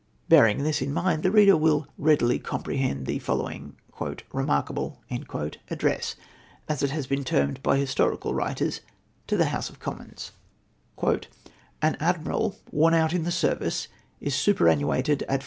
Bearing this in mind, the reader will readily com prehend the fohowing "remarkable" address — as it has been termed by historical writers — to the House of Commons :—'■' All admiral, worn out in the service, is superannuated at 410